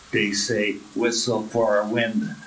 Dey say, `Whistle for a wind.'